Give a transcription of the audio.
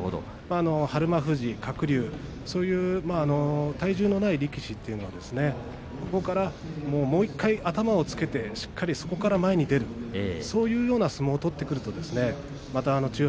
日馬富士、鶴竜体重のない力士というのはここからもう１回、頭をつけてしっかりとそこから前に出るそういうような相撲を取ってくると千代翔